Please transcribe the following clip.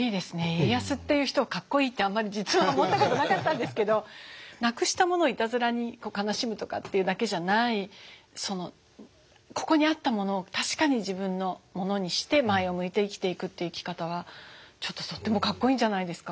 家康っていう人をかっこいいってあんまり実は思ったことなかったんですけどなくしたものをいたずらに悲しむとかっていうだけじゃないここにあったものを確かに自分のものにして前を向いて生きていくっていう生き方はちょっととってもかっこいいんじゃないですか